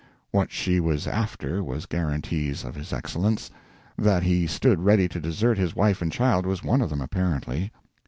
[What she was after was guarantees of his excellence. That he stood ready to desert his wife and child was one of them, apparently.